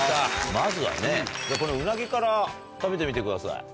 まずはねこのうなぎから食べてみてください。